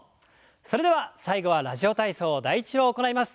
それでは最後は「ラジオ体操第１」を行います。